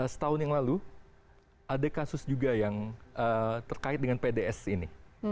setahun yang lalu ada kasus juga yang terkait dengan pds ini